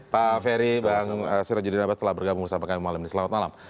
pak ferry bang sirojudin abbas telah bergabung bersama kami malam ini selamat malam